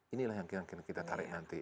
inilah yang kita tarik nanti